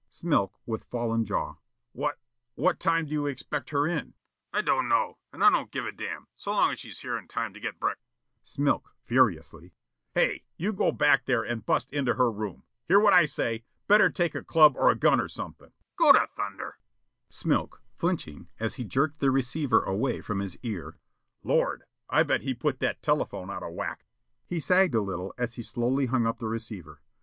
Smilk, with fallen jaw: "What what time do you expect her in?" Plaza 00100: "I don't know, and I don't give a damn so long as she's here in time to get break " Smilk, furiously: "Hey, you go back there and bust into her room. Hear what I say? Better take a club or a gun or something " Plaza 00100; "Go to thunder!" Smilk, flinching as he jerked the receiver away from his ear: "Lord! I bet he put that telephone out of whack!" He sagged a little as he slowly hung up the receiver.